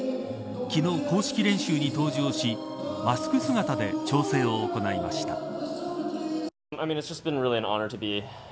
昨日、公式練習に登場しマスク姿で調整を行いました。